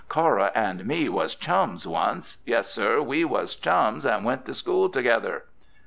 "Cora and me was chums once. Yes, sir; we was chums and went to school together."